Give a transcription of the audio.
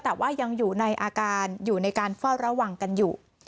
แต่ว่ายังอยู่ในอาการอยู่ในการเฝ้าระวังกันอยู่